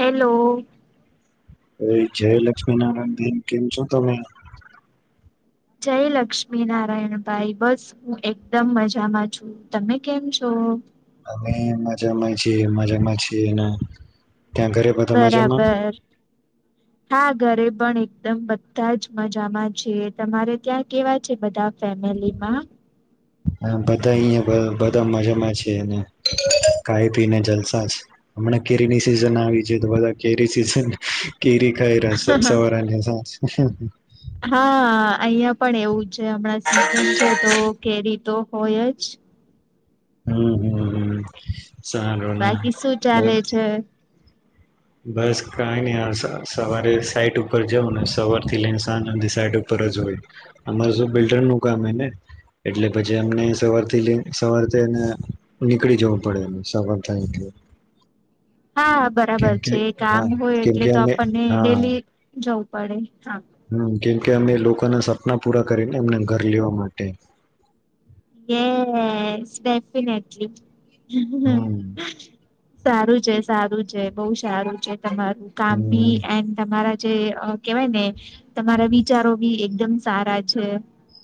Hello અવે જય લક્ષ્મી નારાયણ બેન કેમ છો તમે જય લક્ષ્મી નારાયણ ભાઈ બસ હું એકદમ મજામાં છું તમે કેમ છો. અમે મજામાં છે મજામાં છીએ ના બરાબર હા ઘરે પણ એકદમ બધા જ મજામાં છે તમારે ત્યાં કેવા છે બધા ફેમિલી મા હા બધા અહયા બ બધા મજામાં છે ને ખાય પીને જલસા જ હમણાં કેરીની સિઝન આવી છે તો બધા કેરી સિઝન કેરી ખાયરા શે સવારાની હા અહિયા પણ એવું છે હમણાં સીઝન છે તો કેરી તો હોય જ હમ હમ હમ સારું ના બાકી શું ચાલે લાખ છે બસ કઈ ની આ સ સવારે સાઈટુ ઉપર જવને સવારથી લઈને સાંજથી સાઈટ ઉપર ઉપર જ હોય આમાં શું બિલ્ડરનું કામ હોયને એટલે પછી અમને સવારથી લઈ સવાર તો એને નીકળી જવું પડે સવાર થાય એટલે [inaudible] હા કેમ બરાબર કે છે કામ હા હોય કેમ એટલે કે તો અમે આપણને હા ડેલી જવું પડે હા હમ કેમકે અમે લોકોના સપના પૂરા કરીને એમને ઘર લેવા માટે યેશ ડેફિનેટલી હમ સારું છે સારું છે બહ સારું છે તમારું કામ હમ બી એન તમારા જે અ કેવાયને તમારા વિચારો બી એકદમ સારા છે.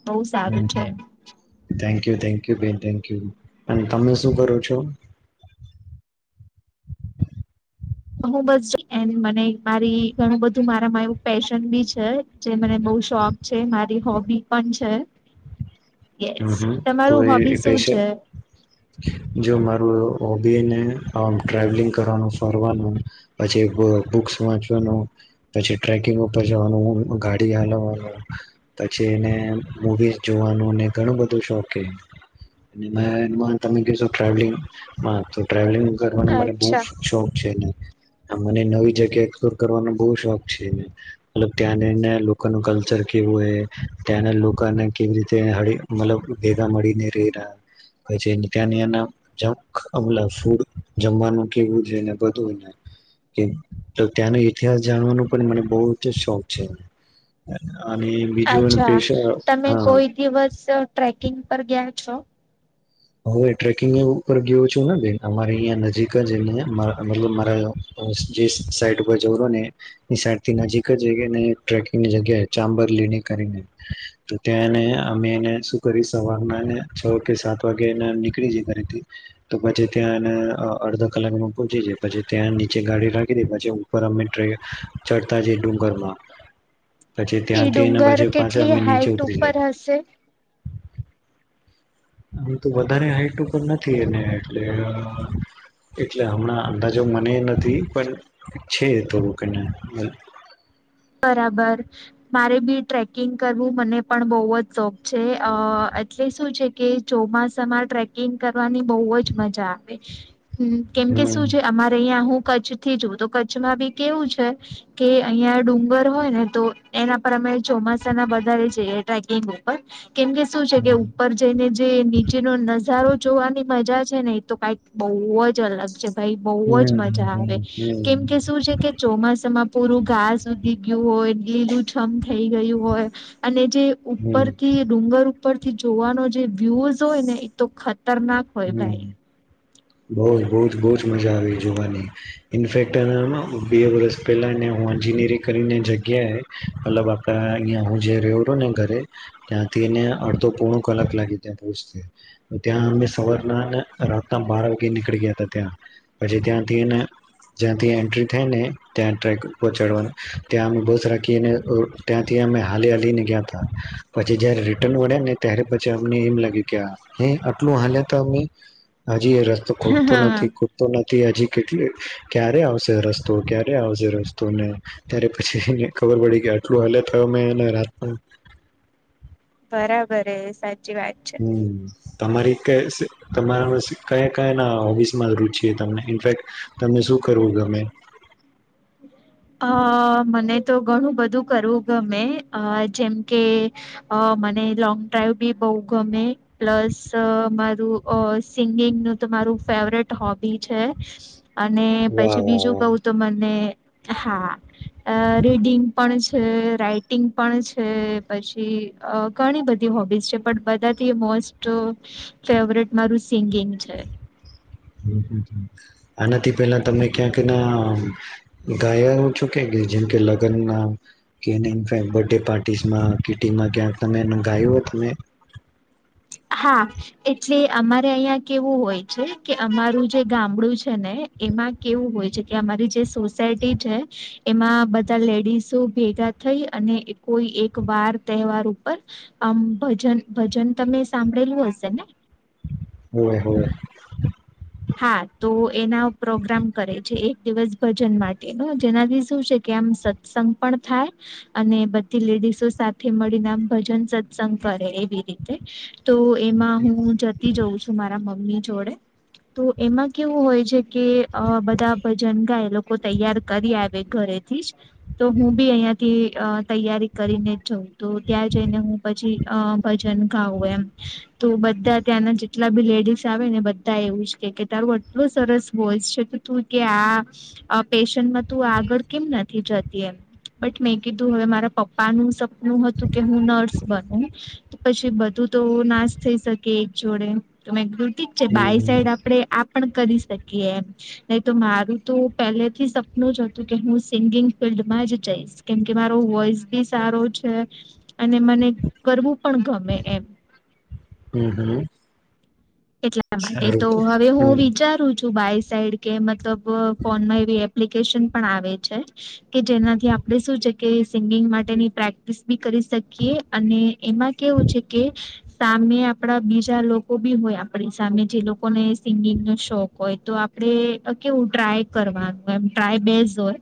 બોવ સારું છે. કયુ થેન્ક યુ બેન થેન્ક યુ અને તમે શું કરો છો. [inaudible] હું બસ એની મને મારી ઘણું બધું મારામાં એવું પેશન બી છે જે મને બઉ શોખ છે મારી હોબી પણ છે. યસ હમ હમ તો તમારું એ હોબી કઈ શું છે જો મારું હોબીને આમ ટ્રાવેલિંગ કરવાનું ફરવાનું પછી બ બુક્સ વાંચવાનું પછી ટ્રેકિંગ ઉપર જવાનું ગાડી હાલવાનું પછી એને મવી જોવાનું અને ઘણું બધું શોખ તમે કો ટ્રાવલિંગ તો ટ્રાવલિંગ કરવાનો મને બહુ અચ્છા શોખ છે [inaudible] મને નવી જગ્યા એક્સપ્લોર કરવાનો બહુ શોખ છે મતલબ ત્યાંને લોકોનું કલ્ચર કેવું ત્યાંના લોકોને કેવી રીતે મતલબ ભેગા મળી ને રના પછછ ત્યાનીિયાના જ અમલા ફૂડ જમવાનું કેવું છેને બધુંને કે તો ત્યાંનો ઇતિહાસ જાણવાનો પણ મને બહ જ શોખ છે અને બીજું એ અચ્છા પેશ તમે હા કોઈ દિવસ ટ્રેકિંગ પર ગયા છો હવે ટ્રેકિંગ એ ઉપર ગયો છું ને બેન અમારે અહીંયા નજીક જ મતલબ મારા જે સાઈડ ઉપર જવરો ને એની સાઈડ થી નજીક જ ને ટ્રેકિંગની જગ્યા ચાંબર ત્યાં અમે કરી સવાર છ કે સાત નીકળી જાય ઘથી તો પછી ત્યાં અડધો કલાકમાં પહચી જાય પછી ત્યાં નીચે ગાડી રાખી દીધ પછ ઉપર અમે ટ્રે ચડતા જએ ડુંગર માં [inaudible] ઈ ડુંગર પાછા કેટલી અમે નીચે હાઈટ ઉતરી ઉપર જાય હશે આમ તો વધારે હાઈટ ઉપર નથી એને એટલે એટલે હમણાં અંદાજો મને નથી પણ છે થોડુંકને [inaudible] બરાબર મારે બી ટ્રેકિંગ કરવું મને પણ બહ જ શોખ છે એટલે શું છે કે ચોમાસામાં ટ્રેકિંગ કર ની બહ જ મજા આવે કેમકે શું હમ છે અમારે અહં હું કચ્છ થી જુ તો કચ્છમાં બી કેવું છે કે અહિયાં ડુંગર ર હોય ને તો એના પર અમે ચોમાસા ના વધારે જઈએ ટ્રેકિંગ ઉપર કેમકે શું છે કે હમ ઉપર જઈને જે નીચેનો નજારો જોવાની મજા છે ને એ તો કઈક બહુ જ અલગ છે ભાઈ બહુ જ મજા આવે હમ કેમ હમ કે શું છે કે ચોમાસામાં પૂરું ઘાસ સુી ગયું હોય લીલું છમ થઈ ગયું હોય અને જે હમ હમ ઉપરથી ડુંગર ઉપરથી જોવાનો જે વ્યુઝ હોય ને એતો ખતરનાક હોય ભાઈ બ બ જ બહ જ મજા આવી જોવાની ઇનફેક્ટ બે વર્ષ પહેલા હ એન્જીિનિયરિંગ કરીને જગ્યાએ મતલબ આપણા અહીયા હું જે રહ્યો રહું ને ઘરે ત્યા ને અડધો પોણ કલાક લાગી ત્યાં પહોંચતા ત્યાં અ સવરનાને રાતના બાર વાગે નીકળી ગયા હતા ત્યાં પછી ત્યાંથીને જ્યાં ત્યાં એન્ટ્રી થાય ને ત્યાં ટ્રેક ઉપોચાડવાનું ત્યાં અમે બસ રાખીને ત્યાં ત અમે હાલી હાલીને ગયા હતા પછી જય્યારે રિટર્ન વળ્યા ને ત્યારે પછી અમને એમ લાગ્યું કે હ આટલું હાલે તો અમે હજી એ રસ્તો ખૂટતો નથી ખૂટતો નથી તે હજી કેટલી ક્યારે આવશે રસ્તો ક્યારે આવશે રસ્તોને ત્યારે પછી ખબર પડી કે આટલું હા થયો મેંને રાત [inaudible] બરાબર હ સાચી વાત છે. હમ તમારી ક્યાં તમારા કયા કયા ના હોબીસમાં રુચિ તમને ઇનફેક તમને શું કરવું ગમે અ મને તો ઘણું બધું કરવું ગમે અ જેમ કે અ મને લોંગ ડ્રાઈવ બી બહુ ગમે પ્લસ સિગિંગ નૂ ફેવરીટ હોબી છે પ વાહ વાહ બીજું ક તો મને હા અ રીડિંગ પણ પછ બધી હોબી છે બધાથી [unintelligible] સ્ટ ફેવરેટ મારું સિંગિંગ છે. આનાથી પેલા તમે ક્યા કે ના ગાય છો કે જેગે પાર ગ [unintelligible] તમે [unintelligible] હા એટલે અમારે અહિયાં કેવું હોય છે કે અમારું જે ગામડું છે ને- એમાં કેવું હોય છે કે અમારી જે સોસાયટી છે એમાં બધા લેડીસો ભેગા થઈ અને કોઈ એક વાર તહેવાર ઉપર આમ ભજન ભજન તમે સાંભળેલું હશે ને [unintelligible] હા તો એના પ્રોગ્રામ કરે છે એક દિવસ ભજન માટે જેનાથી શું છે. મ સત્સંગ પણ થાય અને બધી લેડીસો સાથે મળીને આમ ભજન સત્સંગ કરે એવી રીતે તો એમાં હું જતી જઉં છું મારા મમ્મી જોડે તો એમાં કેવું હોય છે કે અ બધા ભજન ગાય લોકો તૈયાર કરી આવે ઘરે થી તો હું બી અહિયાંથી અ તૈયારી કરીને જ જઉં તો ત્યાં જઈને હું પછી અ ભજન ખાવું એમ તો બધા ત્યાંના જેટલા બી લેડીઝ આવે ને બધા એવું જ- તારું આટલો સરસ વોઇસ છે તો તું કે આ આ પેશનમાં તું આગળ કેમ નથી જતી એમ. બટ મેં કીધું હવે મારા પપ્પાનું સપનું હતું કે હું નર્સ બન તો પછી બધું તો નાશ થઈ શકે એક જોડે તો મે કીધું ઠીકછે હમ બાય હમ સાઈડ આપ કરી શકીએ એમ નહી તો મારું તો પહેલે થી સપનું જ હતું કે હું સિંગિંગ ફિલ્ડમાં જ જઈશ કેમ કે મારો વોઈસ બી સારો છે અને મને કરવું પણ ગમે એમ હમ હમ એટલા માટે સારું તો હવે હું હમ વિચારું છું બાય સાઈડ કે મતલબ ફોનમાં એવી એપ્લિકેશન પણ આવે છે કે જેનાથી આપણે શું છે કે સિંગિંગ માટેની પ્રેક્ટિસ બી કરી શકીએ અને એમાં કેવું છે કે સામે આપડા બીજા લોકો બી હોય આપ- આપણી સામે જે લોકોને સિંગિંગ નો શોખ હોય તો આપણે કેવું ટ્રાય કરવાનું એમ ટ્રાય બેસ હોય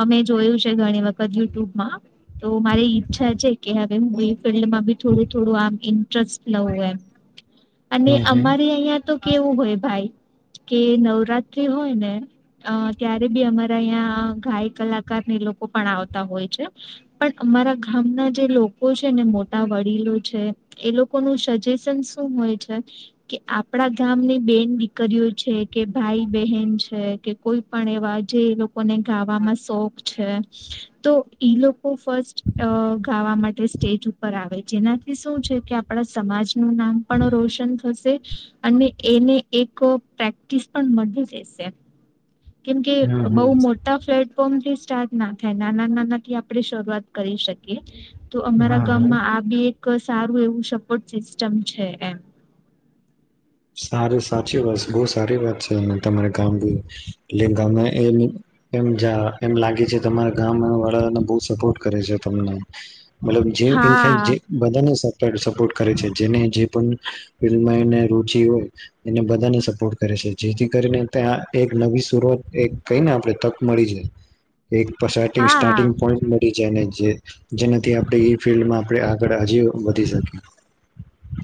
અમે જોયું છે ઘણી વખત યુટ્યુબમાં તો મારી ઈચ્છા છે કે હવે હું એ ફિલ્ડમાં બી થોડું થોડું આમ ઇન્ટરેસ્ટ લઉું એમ [unintelligible] હમ હમ અમારે અહિયાં તો કેવું હોય ભાઈ કે નવરાત્રી હોય ને અ ત્યારે બી અમારા અહીં ગાય કલાકાર ને લોકો પણ આવતા હોય છે પણ અમારા ગામ ના જે લોકો છે ને મોટા વડીલો છે એ લોકો ન સજેશન શું હોય છે. કે આપડા ગામની બેન દીકરીઓ છે કે ભાઈ બહેન છે કે કોઈ પણ એવા જે લોકોને ગાવામાં શોખ છે તો ઈ લોકો ફસ્ટ માટે સ્ટેજ ઉપર આવે જેનાથી શું છે કે આપણા સમાજનું નામ પણ રોશન થ અને એને એક પ્રેક્ટિસ પણ મી જશે કેમ કે હમ બહુ હમ મોટા પ્લેટફોર્મથી સ ના થાય નાના નાના થી આપણે શરૂઆત કરી શકીએ તો અમારા હા હા ગામમાં આ બ. સારું એવું સપોર્ટ સિસ્ટમ છે એમ સારી સાચી વાત છે બહુ સારી વાત છે તમારે ગામ એટ ગ જા એમ લાગે છે તમારા ગામ વાળાને બહ સપોર્ટ કરે છે તમને મતલબ જે હા ઇનફેક્ટ જે બધા ને સપોર્ટ કરે છે જેને જે પણ ફ એને બધાને સપોર્ટ કરે છે જેથી કરીને ત્યાં એક નવી સુરત એક કઈ આપ તક મળી છે એક હા હા સ્ટાર્ટિંગ પોઈન્ટ મળી છે એને જેનાથી આપણે એ ફિલ્ડમાં આપણે આગળ હજ વધી શકીએ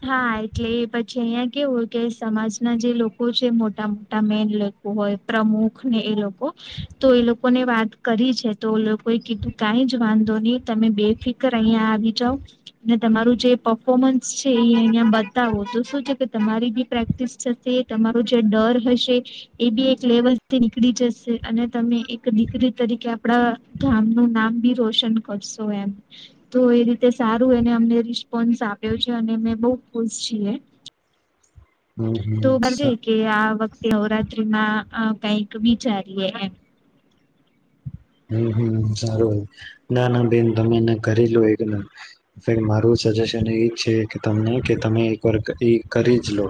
હા એટલે એ પછી અહિયાં કેવુંય કે સમાજના જે લોકો છે મોટા મોટા મેન લોકો હોય પ્રમુખ ને એ લોકો તો એ લોકો ને વાત કરી છે તો એ લોકોએ કીધું ક જ વાંધો નહી તમે બેફિકર અહિયાં આવી જાાવ અને તમારું જે પફોર્મન્સ છે એ અહિયાં બતાવો તો શું છે કે તમારી બી પ્રેક્ટિસ થશે તમારો જે ડર હશે એ બી એક લેવલથી નીકળી જશે અને તમે એક દીકરી તરીકે આપડા ગામ નું નામ નામ બી રોશન કરશો એમ તો એ રીતે સારું એને અમને રિસ્પોન્સ આપ્યો છે અને અમે બહુ ખુશ છીએ હમ હમ તો બદલે કે આ વ નવરાત્રીમાં કઈક વિચારીએ એમ હમ હમ સારું ના ના બેન તમે એને કરી લો એક [unintelligible] મારું સજેશન એ છે કે તમને કે તમે એક વાર કરી એ કરી જ લો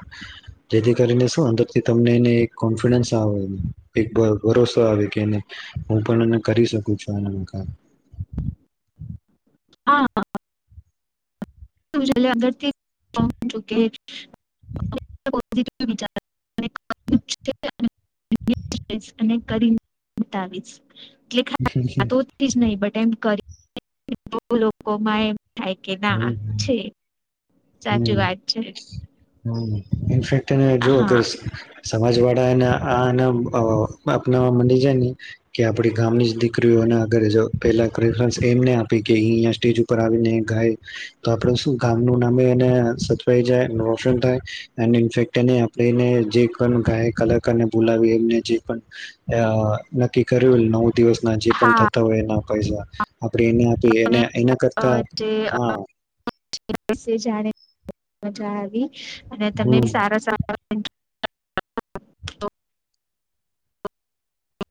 જેથી કરીને શું અંદરથી તમને એને એક કોન્ફિડન્સ આવે એક ભરોસો આવે કે એને હું પણ એ કરી શકો છો આ કામ હા [unintelligible] [unintelligible] વિચાર [unintelligible] [unintelligible] અને કરીને બતાવી એટલે ખાલી હમ વાતોથી જ નહી બટ એમ કરીને [unintelligible] લોકો માં થાય કે ના હમ છે સાચી હમ વાત છે હમ ઇનફેક્ટ એને જો હા અગર સમાજ વાળા એને આ અ એના આપનાવા મડી જાય ને કે આપડી ગામની જ દીકરીઓ ના અગર જો પેલા પ્રેફરન્સ એમને આપી કેં ઈ સ્ટેજ ઉપર આવીને ગાય તો આપડુ શું ગામ નું નામે એ એને સચવાઈ જાય રોશન થાય ઇફેક એ લઈને જે પણ ગાયક કલાકારને બોલાવી એમને જે પણ અ નક્કી કર્યું નવું દિવસના જે પણ હા થતા હોય એના પૈસા આપણે એને આપી એને અને એના અ કરતા જે હા [unintelligible] મજા આવી અને તમે હમ સારા સારા [inaudible] [unintelligible]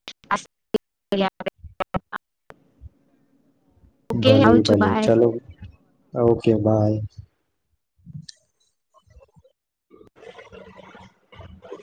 [unintelligible] ઓકે ભલે આવજો ભલે બાય. ચલો ઓકે બાય [inaudible]